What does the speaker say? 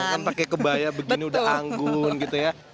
kan pakai kebaya begini udah anggun gitu ya